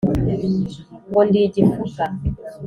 ngo ndi igifuka